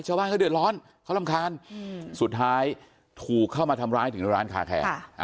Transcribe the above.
ชาวบ้านเขาเดือดร้อนเขารำคาญสุดท้ายถูกเข้ามาทำร้ายถึงในร้านคาแคร์